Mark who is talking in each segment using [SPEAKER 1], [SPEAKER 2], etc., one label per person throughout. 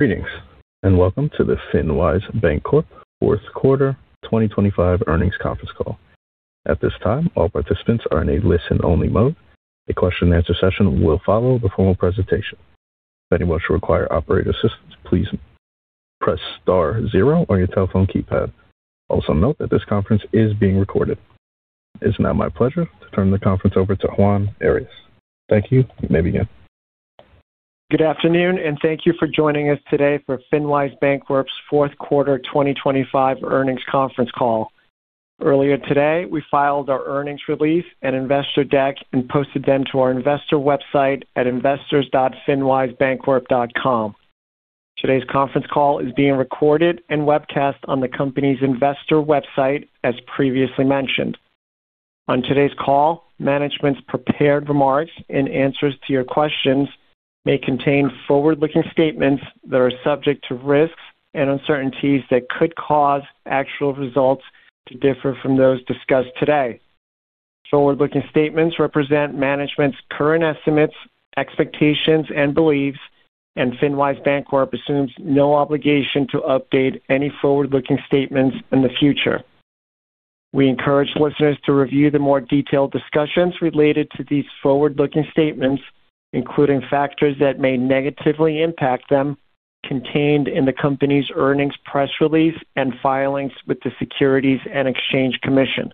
[SPEAKER 1] Greetings, and welcome to the FinWise Bancorp fourth quarter 2025 earnings conference call. At this time, all participants are in a listen-only mode. A question-and-answer session will follow the formal presentation. If anyone should require operator assistance, please press star zero on your telephone keypad. Also note that this conference is being recorded. It's now my pleasure to turn the conference over to Juan Arias. Thank you. You may begin.
[SPEAKER 2] Good afternoon, and thank you for joining us today for FinWise Bancorp's fourth quarter 2025 earnings conference call. Earlier today, we filed our earnings release and investor deck and posted them to our investor website at investors.finwisebancorp.com. Today's conference call is being recorded and webcast on the company's investor website, as previously mentioned. On today's call, management's prepared remarks and answers to your questions may contain forward-looking statements that are subject to risks and uncertainties that could cause actual results to differ from those discussed today. Forward-looking statements represent management's current estimates, expectations, and beliefs, and FinWise Bancorp assumes no obligation to update any forward-looking statements in the future. We encourage listeners to review the more detailed discussions related to these forward-looking statements, including factors that may negatively impact them, contained in the company's earnings press release and filings with the Securities and Exchange Commission.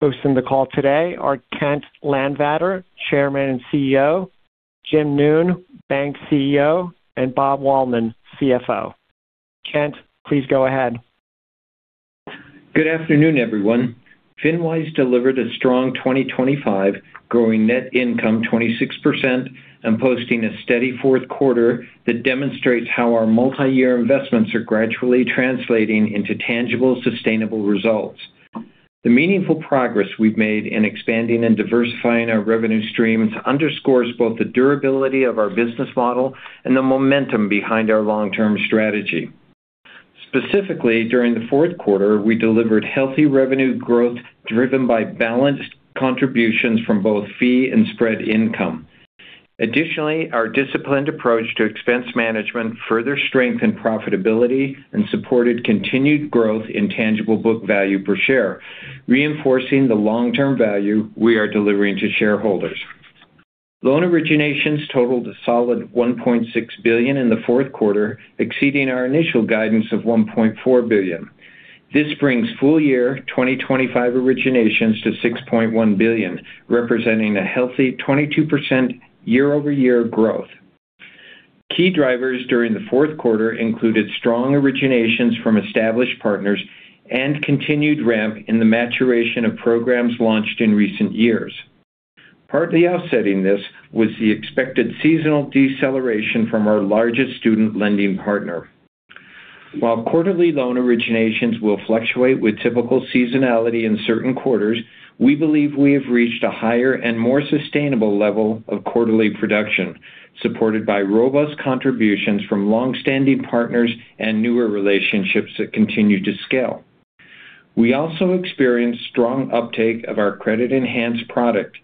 [SPEAKER 2] Hosting the call today are Kent Landvatter, Chairman and CEO, Jim Noone, Bank CEO, and Bob Wahlman, CFO. Kent, please go ahead.
[SPEAKER 3] Good afternoon, everyone. FinWise delivered a strong 2025, growing net income 26% and posting a steady fourth quarter that demonstrates how our multiyear investments are gradually translating into tangible, sustainable results. The meaningful progress we've made in expanding and diversifying our revenue streams underscores both the durability of our business model and the momentum behind our long-term strategy. Specifically, during the fourth quarter, we delivered healthy revenue growth, driven by balanced contributions from both fee and spread income. Additionally, our disciplined approach to expense management further strengthened profitability and supported continued growth in tangible book value per share, reinforcing the long-term value we are delivering to shareholders. Loan originations totaled a solid $1.6 billion in the fourth quarter, exceeding our initial guidance of $1.4 billion. This brings full year 2025 originations to $6.1 billion, representing a healthy 22% year-over-year growth. Key drivers during the fourth quarter included strong originations from established partners and continued ramp in the maturation of programs launched in recent years. Partly offsetting this was the expected seasonal deceleration from our largest student lending partner. While quarterly loan originations will fluctuate with typical seasonality in certain quarters, we believe we have reached a higher and more sustainable level of quarterly production, supported by robust contributions from longstanding partners and newer relationships that continue to scale. We also experienced strong uptake of our credit-enhanced product,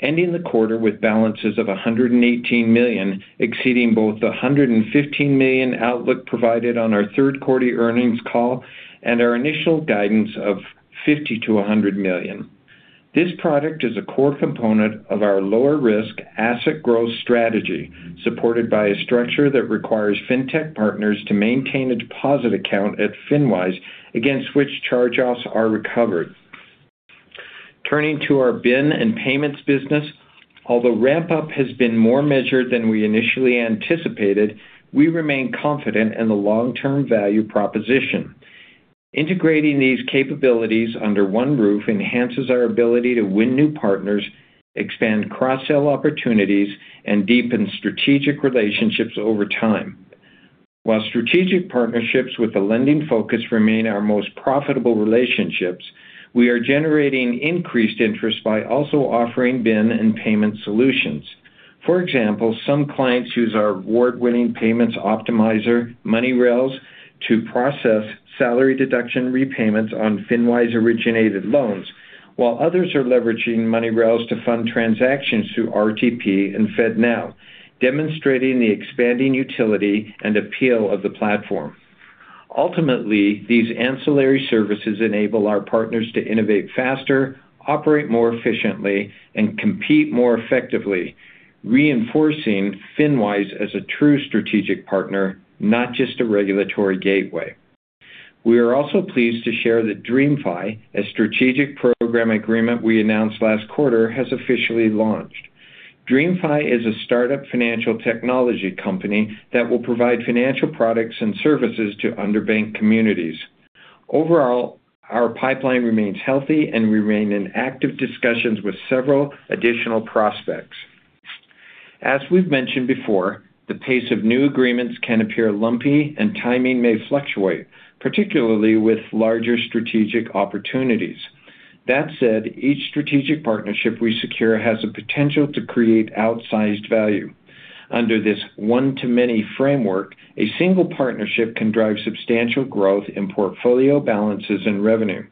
[SPEAKER 3] ending the quarter with balances of $118 million, exceeding both the $115 million outlook provided on our third quarter earnings call and our initial guidance of $50 million-$100 million. This product is a core component of our lower-risk asset growth strategy, supported by a structure that requires fintech partners to maintain a deposit account at FinWise, against which charge-offs are recovered. Turning to our BIN and payments business, although ramp-up has been more measured than we initially anticipated, we remain confident in the long-term value proposition. Integrating these capabilities under one roof enhances our ability to win new partners, expand cross-sell opportunities, and deepen strategic relationships over time. While strategic partnerships with a lending focus remain our most profitable relationships, we are generating increased interest by also offering BIN and payment solutions. For example, some clients use our award-winning payments optimizer, MoneyRails, to process salary deduction repayments on FinWise-originated loans, while others are leveraging MoneyRails to fund transactions through RTP and FedNow, demonstrating the expanding utility and appeal of the platform. Ultimately, these ancillary services enable our partners to innovate faster, operate more efficiently, and compete more effectively, reinforcing FinWise as a true strategic partner, not just a regulatory gateway. We are also pleased to share that DreamFi, a strategic program agreement we announced last quarter, has officially launched. DreamFi is a startup financial technology company that will provide financial products and services to underbanked communities. Overall, our pipeline remains healthy, and we remain in active discussions with several additional prospects. As we've mentioned before, the pace of new agreements can appear lumpy and timing may fluctuate, particularly with larger strategic opportunities. That said, each strategic partnership we secure has the potential to create outsized value. Under this one-to-many framework, a single partnership can drive substantial growth in portfolio balances and revenue,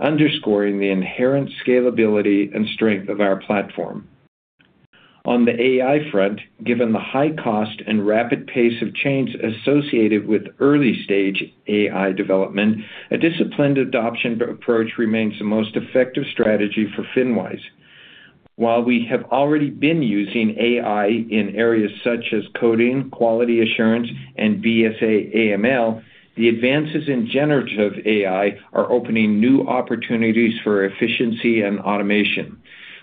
[SPEAKER 3] underscoring the inherent scalability and strength of our platform. On the AI front, given the high cost and rapid pace of change associated with early-stage AI development, a disciplined adoption approach remains the most effective strategy for FinWise. While we have already been using AI in areas such as coding, quality assurance, and BSA/AML, the advances in generative AI are opening new opportunities for efficiency and automation.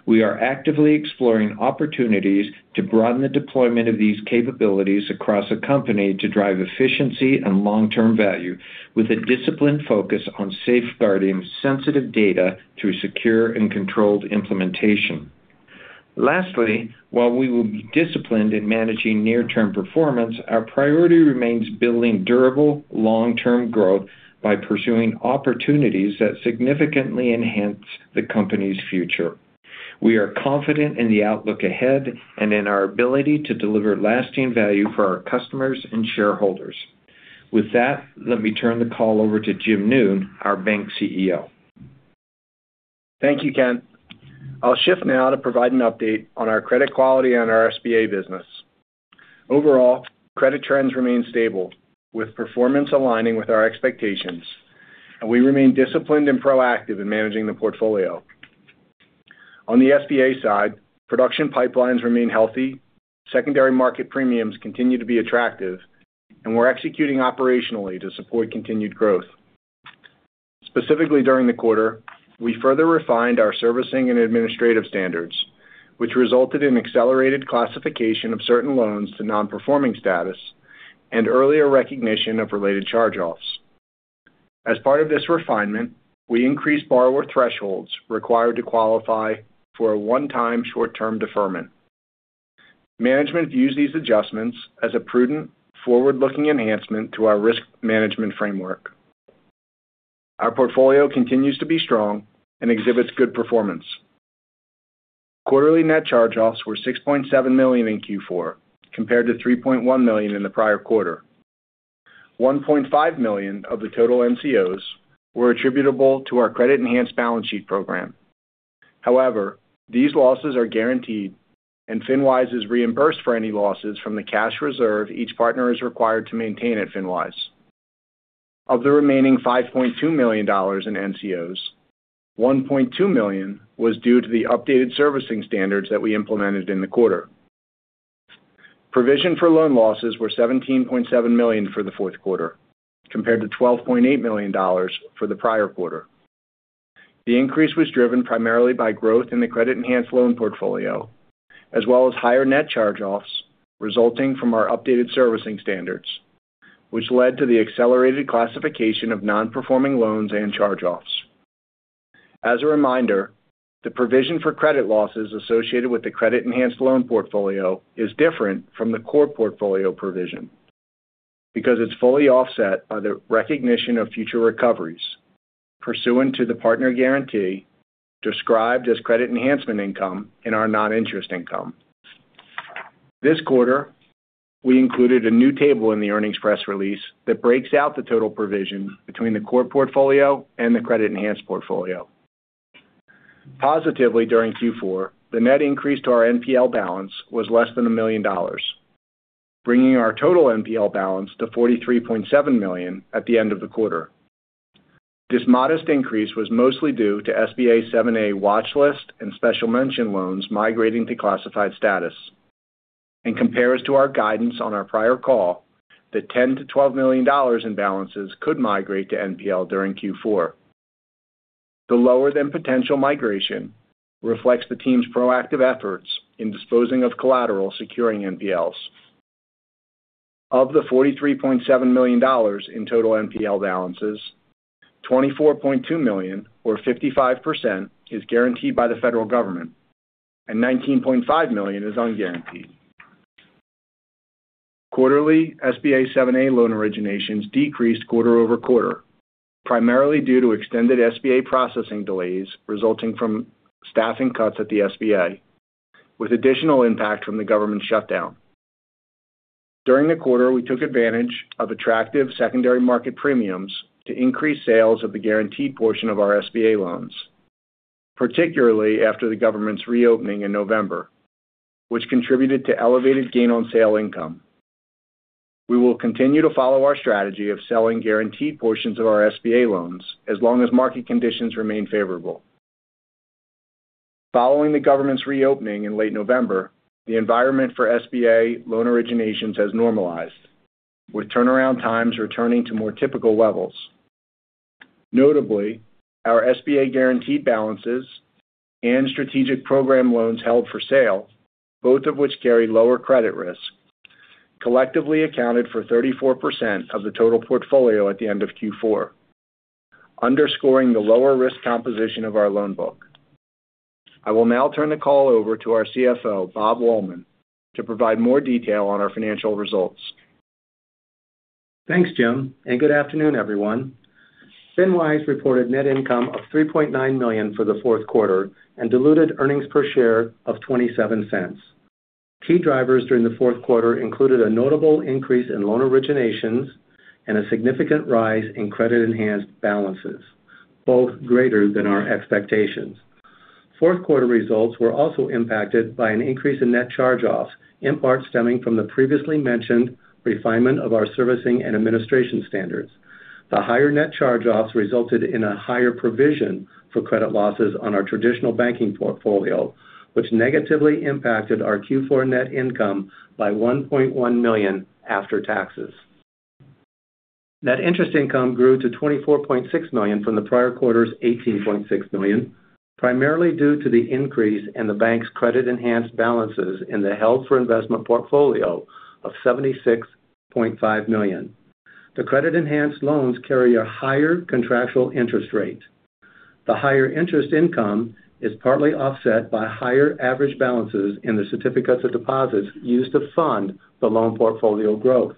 [SPEAKER 3] We are actively exploring opportunities to broaden the deployment of these capabilities across the company to drive efficiency and long-term value, with a disciplined focus on safeguarding sensitive data through secure and controlled implementation. Lastly, while we will be disciplined in managing near-term performance, our priority remains building durable, long-term growth by pursuing opportunities that significantly enhance the company's future. We are confident in the outlook ahead and in our ability to deliver lasting value for our customers and shareholders. With that, let me turn the call over to Jim Noone, our Bank CEO.
[SPEAKER 4] Thank you, Kent. I'll shift now to provide an update on our credit quality and our SBA business. Overall, credit trends remain stable, with performance aligning with our expectations, and we remain disciplined and proactive in managing the portfolio. On the SBA side, production pipelines remain healthy, secondary market premiums continue to be attractive, and we're executing operationally to support continued growth. Specifically, during the quarter, we further refined our servicing and administrative standards, which resulted in accelerated classification of certain loans to non-performing status and earlier recognition of related charge-offs. As part of this refinement, we increased borrower thresholds required to qualify for a one-time, short-term deferment. Management views these adjustments as a prudent, forward-looking enhancement to our risk management framework. Our portfolio continues to be strong and exhibits good performance. Quarterly net charge-offs were $6.7 million in Q4, compared to $3.1 million in the prior quarter. $1.5 million of the total NCOs were attributable to our credit-enhanced balance sheet program. However, these losses are guaranteed, and FinWise is reimbursed for any losses from the cash reserve each partner is required to maintain at FinWise. Of the remaining $5.2 million in NCOs, $1.2 million was due to the updated servicing standards that we implemented in the quarter. Provision for loan losses were $17.7 million for the fourth quarter, compared to $12.8 million for the prior quarter. The increase was driven primarily by growth in the credit-enhanced loan portfolio, as well as higher net charge-offs resulting from our updated servicing standards, which led to the accelerated classification of nonperforming loans and charge-offs. As a reminder, the provision for credit losses associated with the credit-enhanced loan portfolio is different from the core portfolio provision because it's fully offset by the recognition of future recoveries pursuant to the partner guarantee, described as credit enhancement income in our non-interest income. This quarter, we included a new table in the earnings press release that breaks out the total provision between the core portfolio and the credit-enhanced portfolio. Positively, during Q4, the net increase to our NPL balance was less than $1 million, bringing our total NPL balance to $43.7 million at the end of the quarter. This modest increase was mostly due to SBA 7(a) watchlist and special mention loans migrating to classified status and compares to our guidance on our prior call that $10 million-$12 million in balances could migrate to NPL during Q4. The lower-than-potential migration reflects the team's proactive efforts in disposing of collateral securing NPLs. Of the $43.7 million in total NPL balances, $24.2 million, or 55%, is guaranteed by the federal government, and $19.5 million is unguaranteed. Quarterly SBA 7(a) loan originations decreased quarter-over-quarter, primarily due to extended SBA processing delays resulting from staffing cuts at the SBA, with additional impact from the government shutdown. During the quarter, we took advantage of attractive secondary market premiums to increase sales of the guaranteed portion of our SBA loans, particularly after the government's reopening in November, which contributed to elevated gain on sale income. We will continue to follow our strategy of selling guaranteed portions of our SBA loans as long as market conditions remain favorable. Following the government's reopening in late November, the environment for SBA loan originations has normalized, with turnaround times returning to more typical levels. Notably, our SBA guaranteed balances and strategic program loans held for sale, both of which carry lower credit risk, collectively accounted for 34% of the total portfolio at the end of Q4, underscoring the lower risk composition of our loan book. I will now turn the call over to our CFO, Bob Wahlman, to provide more detail on our financial results.
[SPEAKER 5] Thanks, Jim, and good afternoon, everyone. FinWise reported net income of $3.9 million for the fourth quarter and diluted earnings per share of $0.27.... Key drivers during the fourth quarter included a notable increase in loan originations and a significant rise in credit-enhanced balances, both greater than our expectations. Fourth quarter results were also impacted by an increase in net charge-offs, in part stemming from the previously mentioned refinement of our servicing and administration standards. The higher net charge-offs resulted in a higher provision for credit losses on our traditional banking portfolio, which negatively impacted our Q4 net income by $1.1 million after taxes. Net interest income grew to $24.6 million from the prior quarter's $18.6 million, primarily due to the increase in the bank's credit-enhanced balances in the held for investment portfolio of $76.5 million. The credit-enhanced loans carry a higher contractual interest rate. The higher interest income is partly offset by higher average balances in the certificates of deposit used to fund the loan portfolio growth.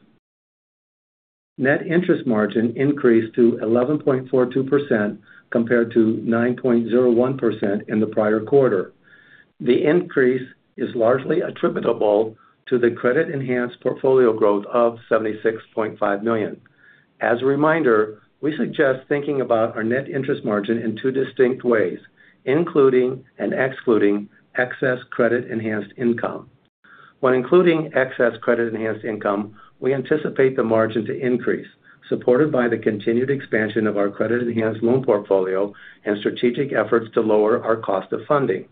[SPEAKER 5] Net interest margin increased to 11.42% compared to 9.01% in the prior quarter. The increase is largely attributable to the credit-enhanced portfolio growth of $76.5 million. As a reminder, we suggest thinking about our net interest margin in two distinct ways, including and excluding excess credit-enhanced income. When including excess credit-enhanced income, we anticipate the margin to increase, supported by the continued expansion of our credit-enhanced loan portfolio and strategic efforts to lower our cost of funding.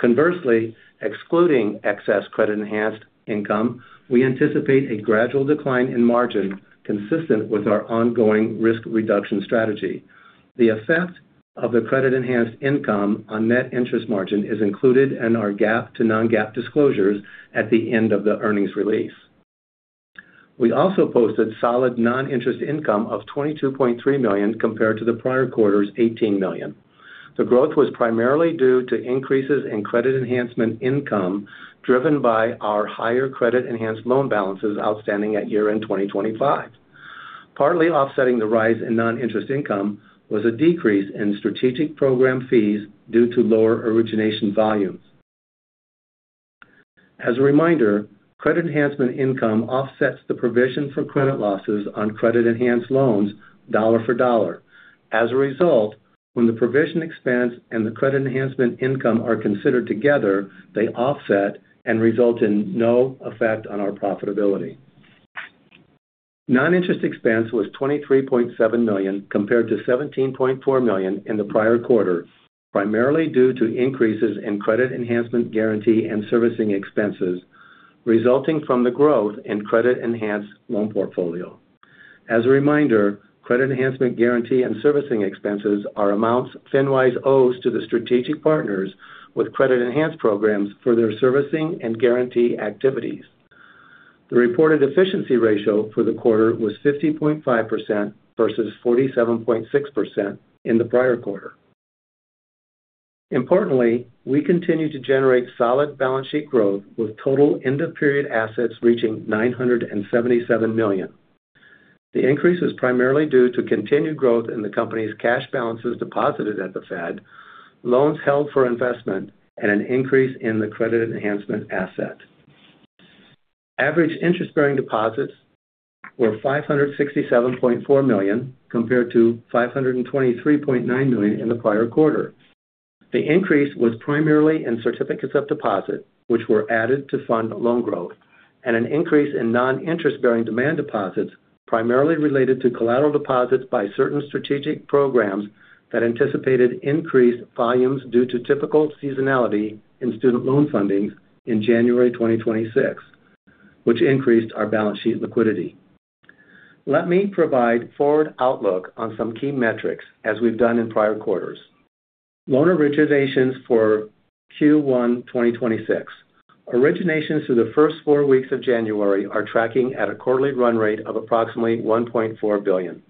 [SPEAKER 5] Conversely, excluding excess credit-enhanced income, we anticipate a gradual decline in margin consistent with our ongoing risk reduction strategy. The effect of the credit-enhanced income on net interest margin is included in our GAAP to non-GAAP disclosures at the end of the earnings release. We also posted solid non-interest income of $22.3 million compared to the prior quarter's $18 million. The growth was primarily due to increases in credit enhancement income, driven by our higher credit-enhanced loan balances outstanding at year-end 2025. Partly offsetting the rise in non-interest income was a decrease in strategic program fees due to lower origination volumes. As a reminder, credit enhancement income offsets the provision for credit losses on credit-enhanced loans dollar for dollar. As a result, when the provision expense and the credit enhancement income are considered together, they offset and result in no effect on our profitability. Non-interest expense was $23.7 million, compared to $17.4 million in the prior quarter, primarily due to increases in credit enhancement guarantee and servicing expenses, resulting from the growth in credit-enhanced loan portfolio. As a reminder, credit enhancement guarantee and servicing expenses are amounts FinWise owes to the strategic partners with credit-enhanced programs for their servicing and guarantee activities. The reported efficiency ratio for the quarter was 50.5% versus 47.6% in the prior quarter. Importantly, we continue to generate solid balance sheet growth, with total end-of-period assets reaching $977 million. The increase is primarily due to continued growth in the company's cash balances deposited at the Fed, loans held for investment, and an increase in the credit enhancement asset. Average interest-bearing deposits were $567.4 million, compared to $523.9 million in the prior quarter. The increase was primarily in certificates of deposit, which were added to fund loan growth, and an increase in non-interest-bearing demand deposits, primarily related to collateral deposits by certain strategic programs that anticipated increased volumes due to typical seasonality in student loan fundings in January 2026, which increased our balance sheet liquidity. Let me provide forward outlook on some key metrics as we've done in prior quarters. Loan originations for Q1 2026. Originations through the first four weeks of January are tracking at a quarterly run rate of approximately $1.4 billion.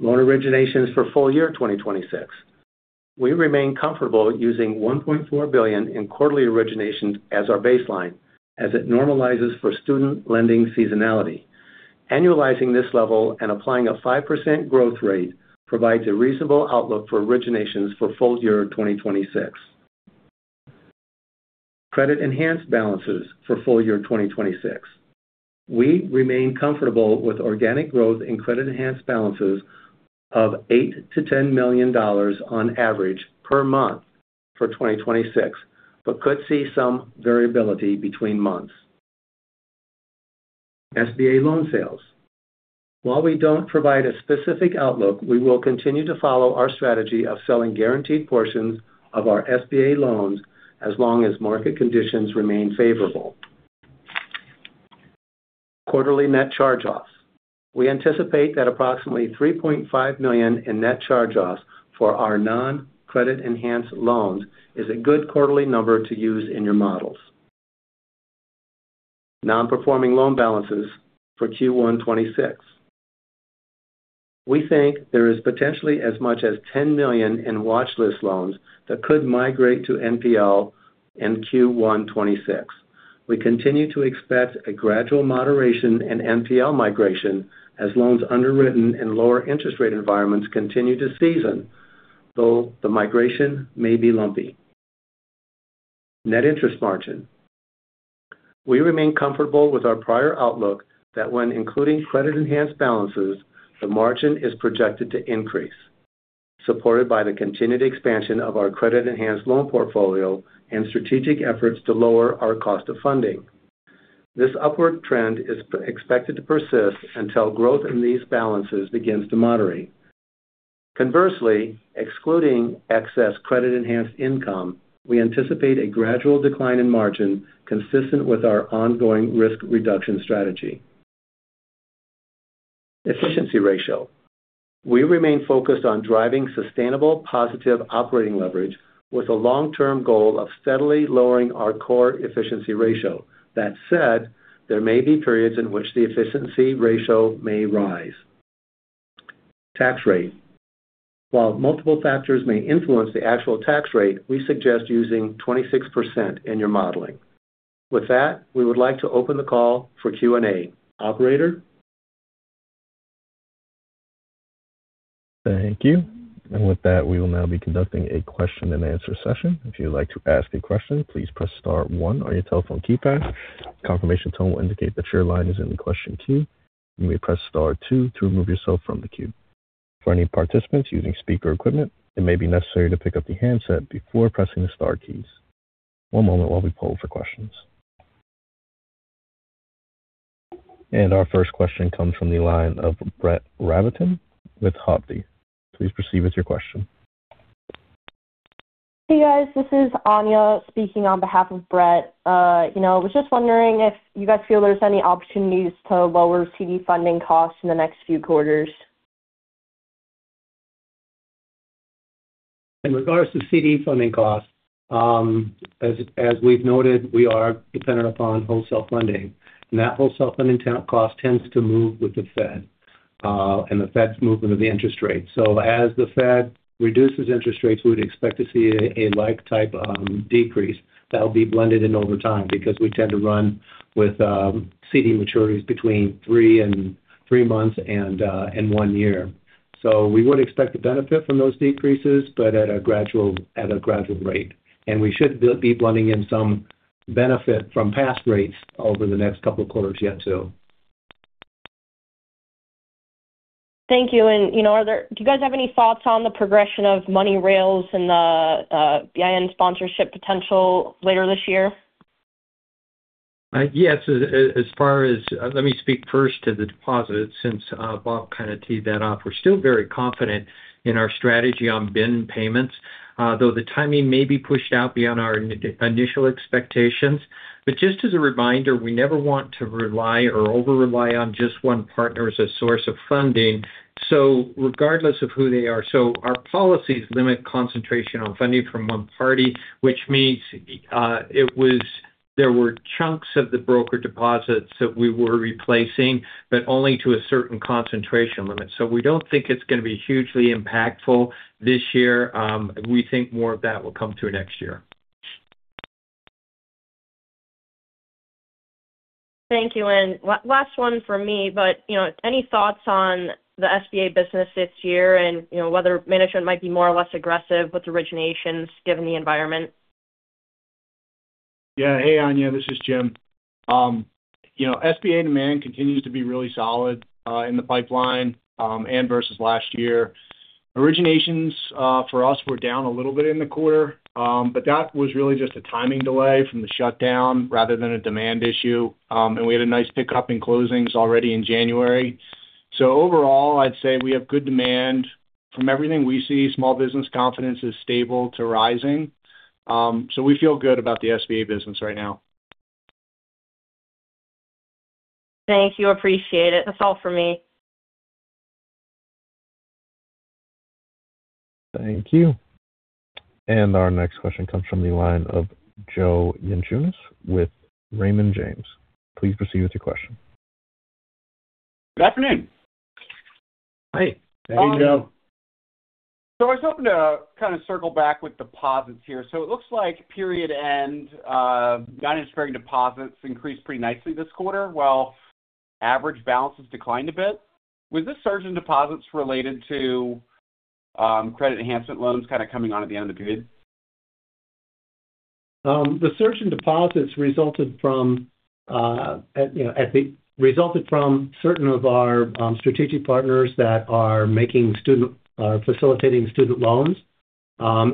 [SPEAKER 5] Loan originations for full year 2026. We remain comfortable using $1.4 billion in quarterly originations as our baseline, as it normalizes for student lending seasonality. Annualizing this level and applying a 5% growth rate provides a reasonable outlook for originations for full year 2026. Credit-enhanced balances for full year 2026. We remain comfortable with organic growth in credit-enhanced balances of $8 million-$10 million on average per month for 2026, but could see some variability between months. SBA loan sales. While we don't provide a specific outlook, we will continue to follow our strategy of selling guaranteed portions of our SBA loans as long as market conditions remain favorable. Quarterly net charge-offs. We anticipate that approximately $3.5 million in net charge-offs for our non-credit enhanced loans is a good quarterly number to use in your models. Non-performing loan balances for Q1 2026. We think there is potentially as much as $10 million in watchlist loans that could migrate to NPL in Q1 2026. We continue to expect a gradual moderation in NPL migration as loans underwritten in lower interest rate environments continue to season... though the migration may be lumpy. Net interest margin. We remain comfortable with our prior outlook that when including credit-enhanced balances, the margin is projected to increase, supported by the continued expansion of our credit-enhanced loan portfolio and strategic efforts to lower our cost of funding. This upward trend is expected to persist until growth in these balances begins to moderate. Conversely, excluding excess credit-enhanced income, we anticipate a gradual decline in margin consistent with our ongoing risk reduction strategy. Efficiency ratio. We remain focused on driving sustainable, positive operating leverage with a long-term goal of steadily lowering our core efficiency ratio. That said, there may be periods in which the efficiency ratio may rise. Tax rate. While multiple factors may influence the actual tax rate, we suggest using 26% in your modeling. With that, we would like to open the call for Q&A. Operator?
[SPEAKER 1] Thank you. And with that, we will now be conducting a question-and-answer session. If you'd like to ask a question, please press star one on your telephone keypad. Confirmation tone will indicate that your line is in the question queue, and you may press star two to remove yourself from the queue. For any participants using speaker equipment, it may be necessary to pick up the handset before pressing the star keys. One moment while we poll for questions. And our first question comes from the line of Brett Rabatin with Hovde. Please proceed with your question.
[SPEAKER 6] Hey guys. This is Anya speaking on behalf of Brett. You know, I was just wondering if you guys feel there's any opportunities to lower CD funding costs in the next few quarters?
[SPEAKER 5] In regards to CD funding costs, as we've noted, we are dependent upon wholesale funding. And that wholesale funding cost tends to move with the Fed and the Fed's movement of the interest rate. So as the Fed reduces interest rates, we'd expect to see a like type decrease that'll be blended in over time because we tend to run with CD maturities between three months and one year. So we would expect to benefit from those decreases, but at a gradual rate. And we should be blending in some benefit from past rates over the next couple of quarters yet, too.
[SPEAKER 6] Thank you. You know, do you guys have any thoughts on the progression of MoneyRails and the, the BIN Sponsorship potential later this year?
[SPEAKER 3] Yes, as far as, let me speak first to the deposits since Bob kind of teed that off. We're still very confident in our strategy on BIN payments, though the timing may be pushed out beyond our initial expectations. But just as a reminder, we never want to rely or over rely on just one partner as a source of funding. So regardless of who they are, our policies limit concentration on funding from one party, which means, there were chunks of the broker deposits that we were replacing, but only to a certain concentration limit. So we don't think it's going to be hugely impactful this year. We think more of that will come through next year.
[SPEAKER 6] Thank you. Last one for me, but, you know, any thoughts on the SBA business this year and, you know, whether management might be more or less aggressive with originations given the environment?
[SPEAKER 4] Yeah. Hey, Anya, this is Jim. You know, SBA demand continues to be really solid in the pipeline and versus last year. Originations for us were down a little bit in the quarter, but that was really just a timing delay from the shutdown rather than a demand issue. And we had a nice pickup in closings already in January. So overall, I'd say we have good demand. From everything we see, small business confidence is stable to rising. So we feel good about the SBA business right now.
[SPEAKER 6] Thank you. Appreciate it. That's all for me.
[SPEAKER 1] Thank you. Our next question comes from the line of Joe Yanchunis with Raymond James. Please proceed with your question.
[SPEAKER 7] Good afternoon.
[SPEAKER 5] Hi.
[SPEAKER 3] Hey, Joe.
[SPEAKER 7] So I was hoping to kind of circle back with deposits here. So it looks like period end, non-interest-bearing deposits increased pretty nicely this quarter, while average balances declined a bit. Was this surge in deposits related to credit enhancement loans kind of coming on at the end of the period?
[SPEAKER 5] The surge in deposits resulted from, you know, resulted from certain of our strategic partners that are making student, facilitating student loans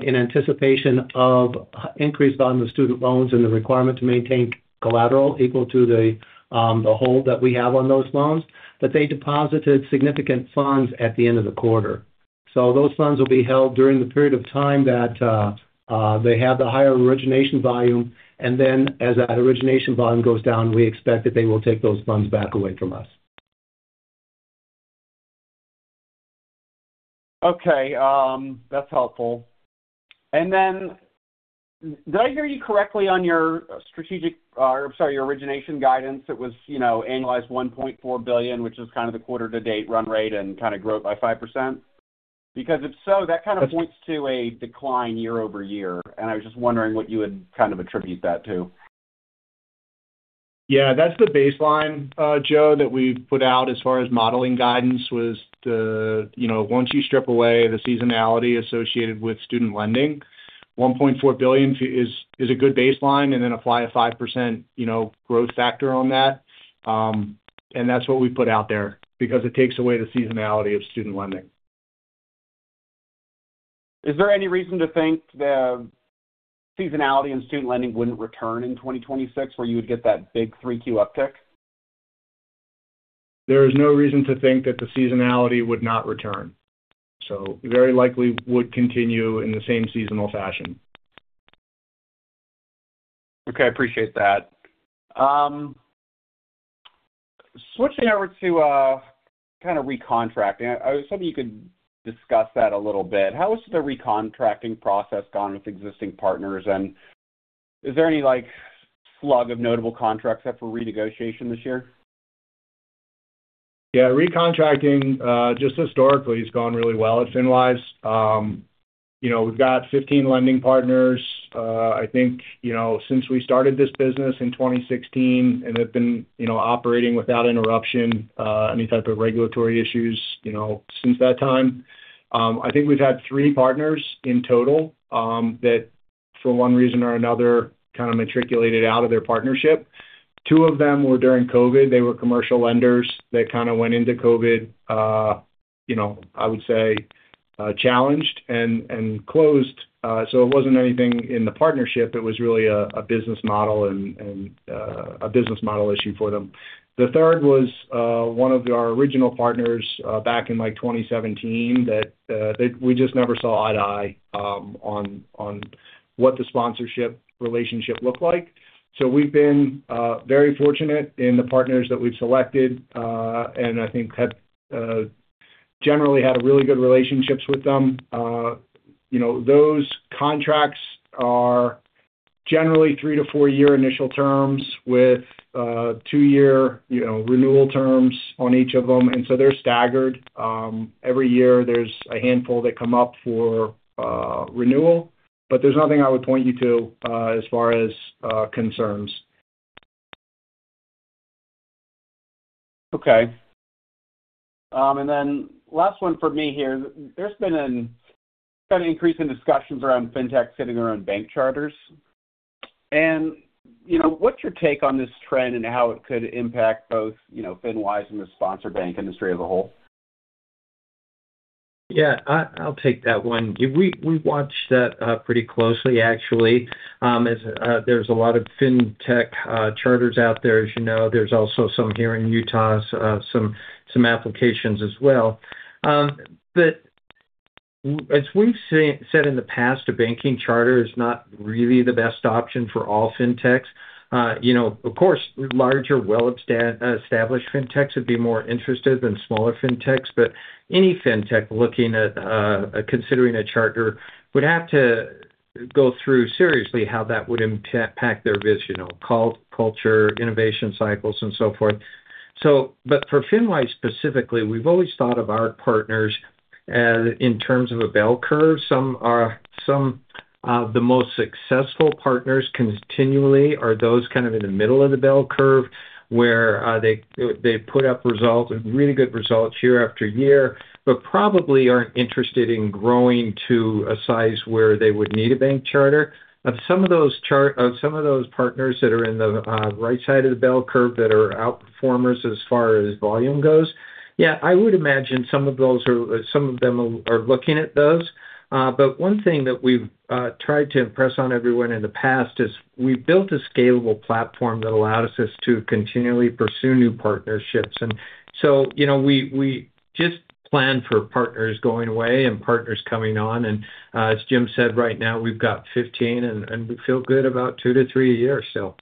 [SPEAKER 5] in anticipation of increased volume of student loans and the requirement to maintain collateral equal to the, the hold that we have on those loans, that they deposited significant funds at the end of the quarter. So those funds will be held during the period of time that they have the higher origination volume, and then as that origination volume goes down, we expect that they will take those funds back away from us.
[SPEAKER 7] Okay, that's helpful. And then did I hear you correctly on your strategic, or sorry, your origination guidance? It was, you know, annualized $1.4 billion, which is kind of the quarter-to-date run rate and kind of growth by 5%. Because if so, that kind of points to a decline year-over-year, and I was just wondering what you would kind of attribute that to....
[SPEAKER 4] Yeah, that's the baseline, Joe, that we've put out as far as modeling guidance, was the, you know, once you strip away the seasonality associated with student lending, $1.4 billion is a good baseline, and then apply a 5% growth factor on that, you know. And that's what we put out there because it takes away the seasonality of student lending.
[SPEAKER 7] Is there any reason to think the seasonality in student lending wouldn't return in 2026, where you would get that big 3Q uptick?
[SPEAKER 4] There is no reason to think that the seasonality would not return. So very likely would continue in the same seasonal fashion.
[SPEAKER 7] Okay, I appreciate that. Switching over to, kind of recontracting. I was hoping you could discuss that a little bit. How has the recontracting process gone with existing partners, and is there any, like, slug of notable contracts up for renegotiation this year?
[SPEAKER 4] Yeah, recontracting, just historically, has gone really well at FinWise. You know, we've got 15 lending partners. I think, you know, since we started this business in 2016, and have been, you know, operating without interruption, any type of regulatory issues, you know, since that time. I think we've had three partners in total, that for one reason or another, kind of matriculated out of their partnership. Two of them were during COVID. They were commercial lenders that kind of went into COVID, you know, I would say, challenged and closed. So it wasn't anything in the partnership. It was really a business model and a business model issue for them. The third was one of our original partners back in, like, 2017, that we just never saw eye to eye on what the sponsorship relationship looked like. So we've been very fortunate in the partners that we've selected, and I think have generally had really good relationships with them. You know, those contracts are generally three to four year initial terms with two year you know, renewal terms on each of them, and so they're staggered. Every year there's a handful that come up for renewal, but there's nothing I would point you to as far as concerns.
[SPEAKER 7] Okay. And then last one for me here. There's been an increase in discussions around fintech getting their own bank charters. You know, what's your take on this trend and how it could impact both, you know, FinWise and the sponsor bank industry as a whole?
[SPEAKER 3] Yeah, I'll take that one. We watch that pretty closely, actually. As there's a lot of fintech charters out there, as you know. There's also some here in Utah, some applications as well. But as we've said in the past, a banking charter is not really the best option for all fintechs. You know, of course, larger, well-established fintechs would be more interested than smaller fintechs, but any fintech looking at considering a charter would have to go through seriously how that would impact their business, you know, culture, innovation cycles, and so forth. So, but for FinWise specifically, we've always thought of our partners as in terms of a bell curve. Some are, the most successful partners continually are those kind of in the middle of the bell curve, where they put up results, really good results year after year, but probably aren't interested in growing to a size where they would need a bank charter. Some of those partners that are in the right side of the bell curve, that are out performers as far as volume goes, yeah, I would imagine some of those are, some of them are looking at those. One thing that we've tried to impress on everyone in the past is we've built a scalable platform that allows us to continually pursue new partnerships. You know, we just plan for partners going away and partners coming on. As Jim said, right now, we've got 15, and we feel good about two to three a years, so.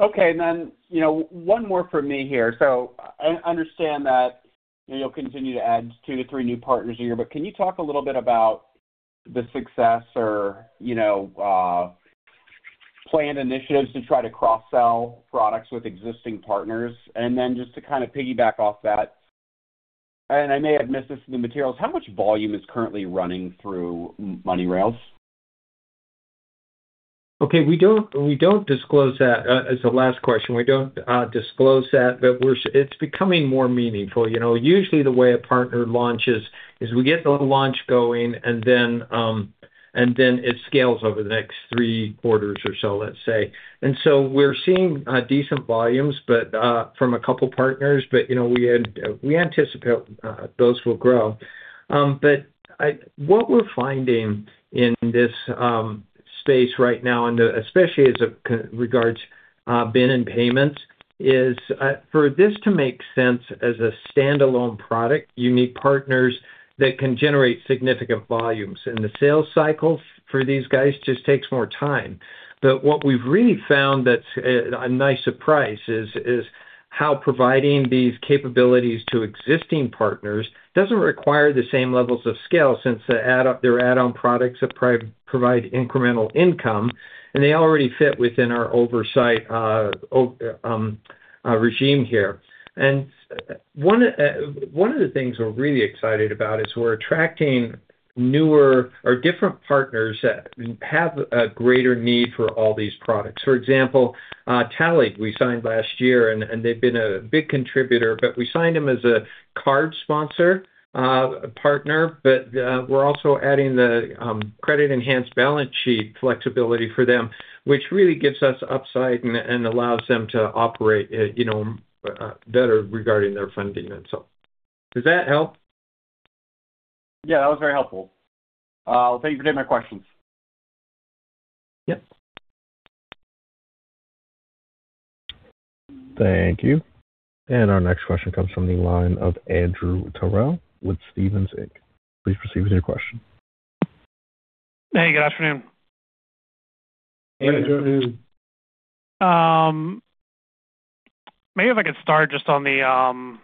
[SPEAKER 7] Okay, and then, you know, one more for me here. So I understand that you'll two to three continue to add new partners a year, but can you talk a little bit about the success or, you know, planned initiatives to try to cross-sell products with existing partners? And then just to kind of piggyback off that, and I may have missed this in the materials, how much volume is currently running through MoneyRails?
[SPEAKER 3] Okay, we don't, we don't disclose that. As a last question, we don't disclose that, but we're. It's becoming more meaningful. You know, usually the way a partner launches is we get the launch going, and then it scales over the next three quarters or so, let's say. And so we're seeing decent volumes, but from a couple partners, but, you know, we anticipate those will grow. But what we're finding in this space right now, and especially as it regards bin and payments, is for this to make sense as a standalone product, you need partners that can generate significant volumes, and the sales cycles for these guys just takes more time. But what we've really found that's a nice surprise is how providing these capabilities to existing partners doesn't require the same levels of scale, since their add-on products provide incremental income, and they already fit within our oversight regime here. And one of the things we're really excited about is we're attracting-...
[SPEAKER 5] newer or different partners that have a greater need for all these products. For example, Tallied, we signed last year, and they've been a big contributor, but we signed them as a card sponsor partner. But, we're also adding the credit-enhanced balance sheet flexibility for them, which really gives us upside and allows them to operate, you know, better regarding their funding and so on. Does that help?
[SPEAKER 7] Yeah, that was very helpful. Thank you for taking my questions.
[SPEAKER 5] Yep.
[SPEAKER 1] Thank you. And our next question comes from the line of Andrew Terrell with Stephens Inc. Please proceed with your question.
[SPEAKER 8] Hey, good afternoon.
[SPEAKER 5] Andrew.
[SPEAKER 8] Maybe if I could start just on the,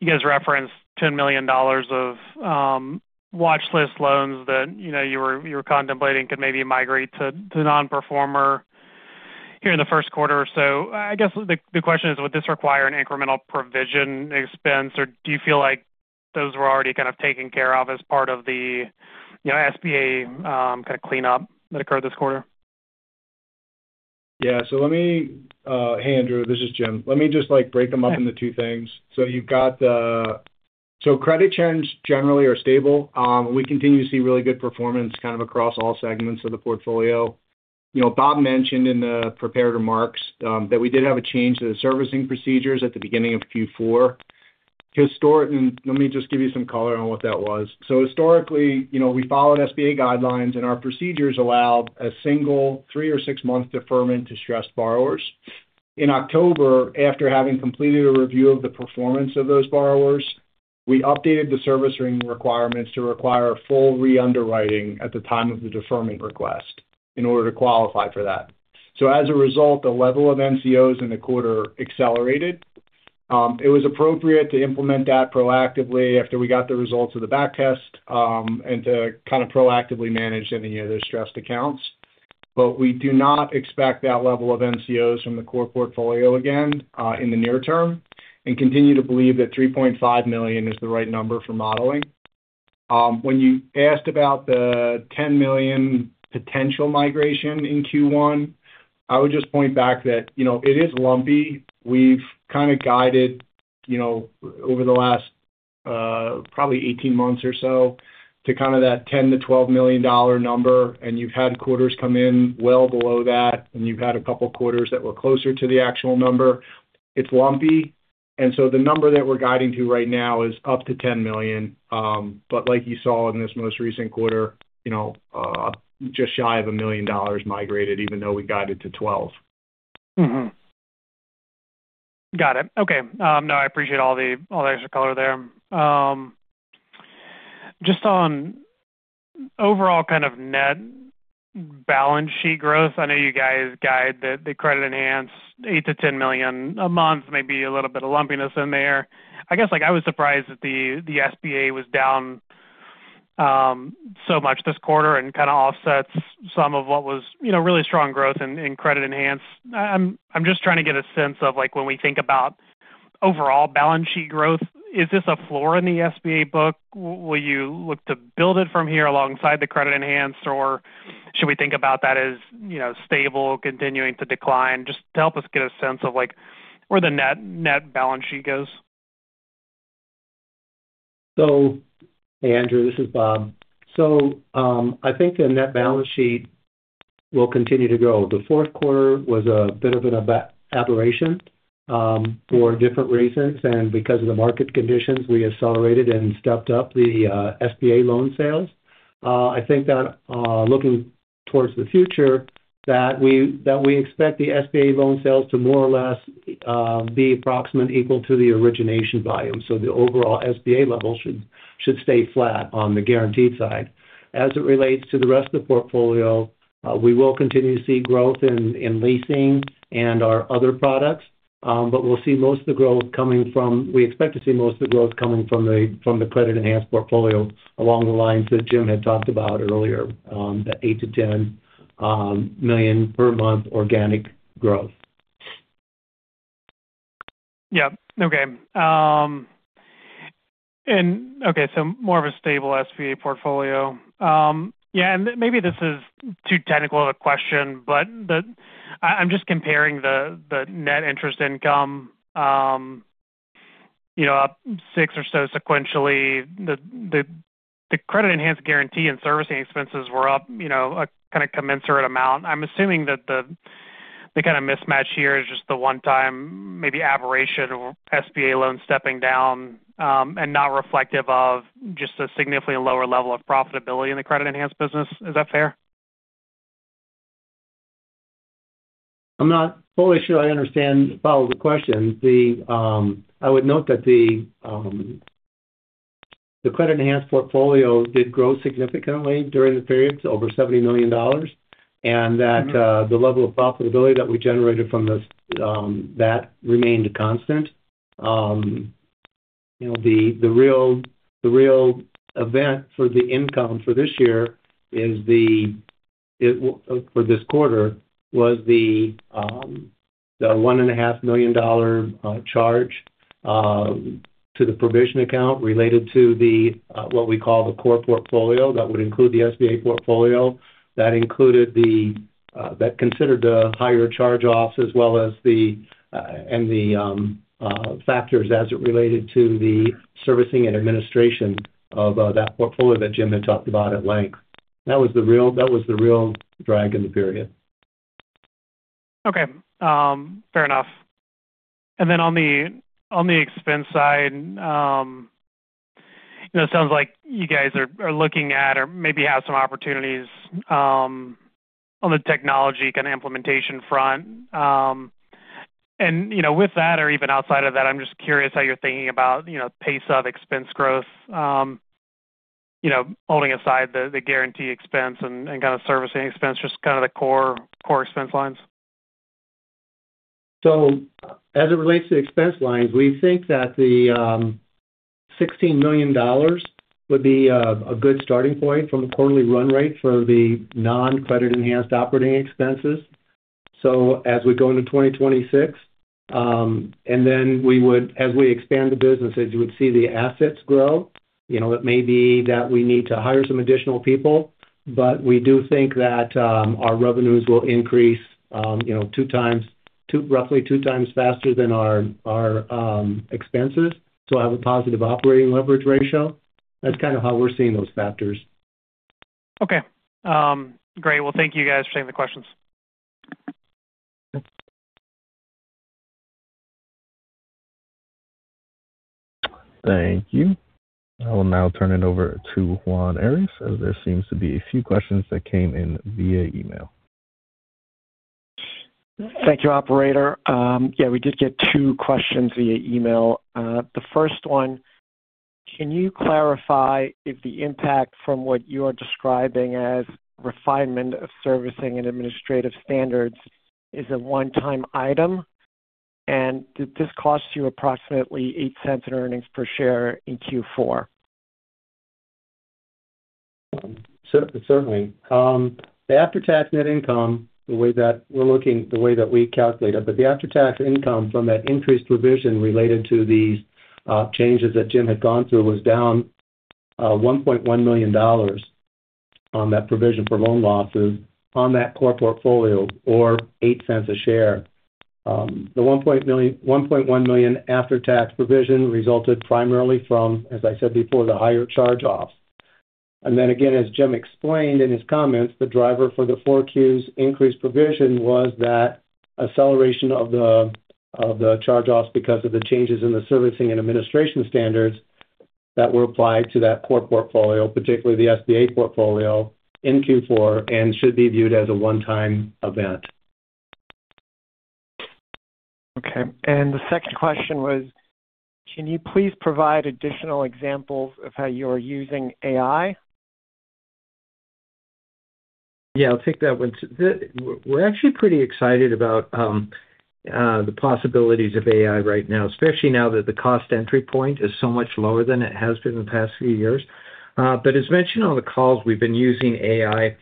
[SPEAKER 8] you guys referenced $10 million of watch list loans that, you know, you were, you were contemplating could maybe migrate to, to nonperforming here in the first quarter. So I guess the, the question is, would this require an incremental provision expense, or do you feel like those were already kind of taken care of as part of the, you know, SBA kind of cleanup that occurred this quarter?
[SPEAKER 4] Yeah. So let me... Hey, Andrew, this is Jim. Let me just, like, break them up into two things. So you've got the, so credit trends generally are stable. We continue to see really good performance kind of across all segments of the portfolio. You know, Bob mentioned in the prepared remarks, that we did have a change to the servicing procedures at the beginning of Q4. Historically, let me just give you some color on what that was. So historically, you know, we followed SBA guidelines, and our procedures allowed a single 3 or 6-month deferment to stressed borrowers. In October, after having completed a review of the performance of those borrowers, we updated the servicing requirements to require full reunderwriting at the time of the deferment request in order to qualify for that. So as a result, the level of NCOs in the quarter accelerated. It was appropriate to implement that proactively after we got the results of the back test, and to kind of proactively manage any of those stressed accounts. But we do not expect that level of NCOs from the core portfolio again, in the near term, and continue to believe that $3.5 million is the right number for modeling. When you asked about the $10 million potential migration in Q1, I would just point back that, you know, it is lumpy. We've kind of guided, you know, over the last, probably 18 months or so to kind of that $10-$12 million number, and you've had quarters come in well below that, and you've had a couple quarters that were closer to the actual number. It's lumpy, and so the number that we're guiding to right now is up to $10 million. But like you saw in this most recent quarter, you know, just shy of $1 million dollars migrated, even though we guided to $12 million.
[SPEAKER 8] Mm-hmm. Got it. Okay. No, I appreciate all the, all the extra color there. Just on overall kind of net balance sheet growth, I know you guys guide the credit enhanced $8 million-$10 million a month, maybe a little bit of lumpiness in there. I guess, like, I was surprised that the SBA was down so much this quarter and kind of offsets some of what was, you know, really strong growth in credit enhanced. I'm just trying to get a sense of, like, when we think about overall balance sheet growth, is this a floor in the SBA book? Will you look to build it from here alongside the credit enhanced, or should we think about that as, you know, stable, continuing to decline? Just to help us get a sense of, like, where the net balance sheet goes.
[SPEAKER 5] So, hey, Andrew, this is Bob. So, I think the net balance sheet will continue to grow. The fourth quarter was a bit of an aberration for different reasons, and because of the market conditions, we accelerated and stepped up the SBA loan sales. I think that looking towards the future, that we expect the SBA loan sales to more or less be approximately equal to the origination volume. So the overall SBA level should stay flat on the guaranteed side. As it relates to the rest of the portfolio, we will continue to see growth in leasing and our other products, but we expect to see most of the growth coming from the credit enhanced portfolio, along the lines that Jim had talked about earlier, that $8 million-$10 million per month organic growth.
[SPEAKER 8] Yep. Okay. And okay, so more of a stable SBA portfolio. Yeah, and maybe this is too technical of a question, but the... I'm just comparing the net interest income, you know, up six or so sequentially. The credit enhanced guarantee and servicing expenses were up, you know, a kind of commensurate amount. I'm assuming that the kind of mismatch here is just the one-time, maybe aberration or SBA loan stepping down, and not reflective of just a significantly lower level of profitability in the credit enhanced business. Is that fair?
[SPEAKER 5] I'm not fully sure I understand all the question. I would note that the credit-enhanced portfolio did grow significantly during the period, over $70 million, and that-
[SPEAKER 8] Mm-hmm.
[SPEAKER 5] The level of profitability that we generated from this that remained constant. You know, the real event for the income for this year is the... It for this quarter was the $1.5 million charge to the provision account related to what we call the core portfolio. That would include the SBA portfolio. That included that considered the higher charge-offs, as well as the and the factors as it related to the servicing and administration of that portfolio that Jim had talked about at length. That was the real, that was the real drag in the period.
[SPEAKER 8] Okay. Fair enough. And then on the expense side, you know, it sounds like you guys are looking at or maybe have some opportunities on the technology kind of implementation front. And, you know, with that, or even outside of that, I'm just curious how you're thinking about, you know, pace of expense growth, you know, holding aside the guarantee expense and kind of servicing expense, just kind of the core, core expense lines.
[SPEAKER 5] So as it relates to expense lines, we think that the $16 million would be a good starting point from a quarterly run rate for the non-credit enhanced operating expenses. So as we go into 2026, and then we would—as we expand the businesses, you would see the assets grow. You know, it may be that we need to hire some additional people, but we do think that our revenues will increase, you know, two times, two—roughly two times faster than our, our expenses, so have a positive operating leverage ratio. That's kind of how we're seeing those factors.
[SPEAKER 8] Okay. Great. Well, thank you guys for taking the questions.
[SPEAKER 1] Thank you. I will now turn it over to Juan Arias, as there seems to be a few questions that came in via email.
[SPEAKER 2] Thank you, operator. Yeah, we did get two questions via email. The first one, can you clarify if the impact from what you are describing as refinement of servicing and administrative standards is a one-time item? And did this cost you approximately $0.08 in earnings per share in Q4?
[SPEAKER 5] Certainly. The after-tax net income, the way that we're looking, the way that we calculate it, but the after-tax income from that increased provision related to these changes that Jim had gone through was down $1.1 million on that provision for loan losses on that core portfolio or $0.08 a share. The $1.1 million after-tax provision resulted primarily from, as I said before, the higher charge-offs. And then again, as Jim explained in his comments, the driver for the 4Q increased provision was that, acceleration of the charge-offs because of the changes in the servicing and administration standards that were applied to that core portfolio, particularly the SBA portfolio, in Q4, and should be viewed as a one-time event.
[SPEAKER 2] Okay, and the second question was, can you please provide additional examples of how you're using AI?
[SPEAKER 3] Yeah, I'll take that one, too. We're actually pretty excited about the possibilities of AI right now, especially now that the cost entry point is so much lower than it has been in the past few years. But as mentioned on the calls, we've been using AI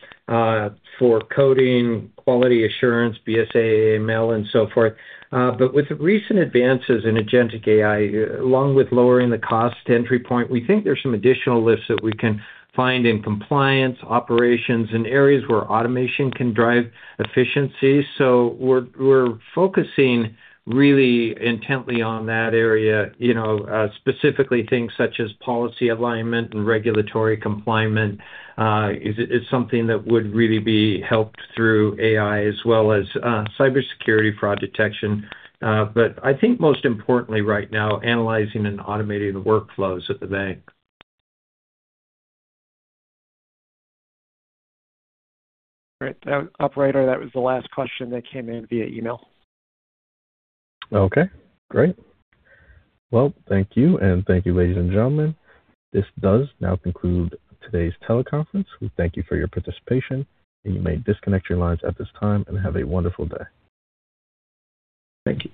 [SPEAKER 3] for coding, quality assurance, BSA/AML, and so forth. But with the recent advances in agentic AI, along with lowering the cost entry point, we think there's some additional lifts that we can find in compliance, operations, and areas where automation can drive efficiency. So we're focusing really intently on that area. You know, specifically things such as policy alignment and regulatory compliance is something that would really be helped through AI as well as cybersecurity fraud detection. But I think most importantly, right now, analyzing and automating the workflows at the bank.
[SPEAKER 2] Great. Operator, that was the last question that came in via email.
[SPEAKER 1] Okay, great. Well, thank you, and thank you, ladies and gentlemen. This does now conclude today's teleconference. We thank you for your participation, and you may disconnect your lines at this time and have a wonderful day. Thank you.